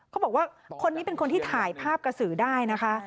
เขาบอกว่าคนนี้เป็นคนที่ถ่ายภาพกระสือได้นะคะ